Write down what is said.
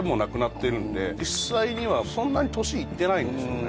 実際にはそんなに年いってないんですよね